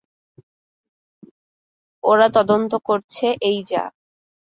ওরা তদন্ত করছে, এই যা।